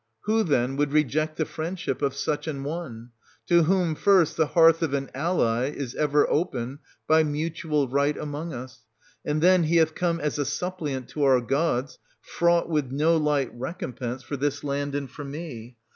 Who, then, would reject the friendship of such an one ?— to whom, first, the hearth of an ally is ever open, by mutual right, among us; and then he hath come as a suppliant to our gods, fraught with no light recompense for this land and for me.